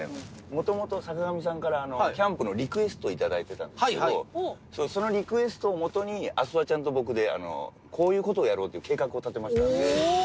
元々坂上さんからキャンプのリクエスト頂いてたんですけどそのリクエストをもとに阿諏訪ちゃんと僕でこういう事をやろうっていう計画を立てましたんで。